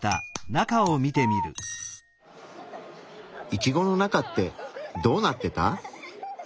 イチゴの中ってどうなってた？